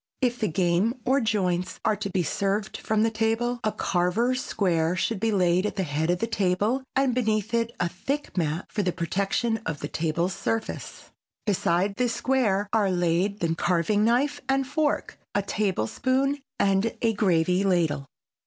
If the game or joints are to be served from the table, a carver's square should be laid at the head of the table and beneath it a thick mat for the protection of the table surface. Beside this square are laid the carving knife and fork, a table spoon and a gravy ladle.